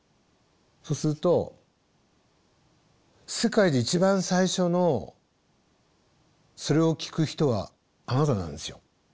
そうすると世界で一番最初のそれを聴く人はあなたなんですよ。